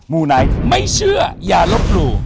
มูไนท์ไม่เชื่ออย่ารับรู้